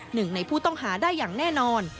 หนึ่งในผู้ต้องหาได้อย่างแน่นอน